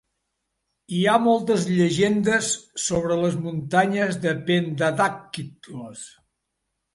Hi ha moltes llegendes sobre les muntanyes de Pendadàkhtilos.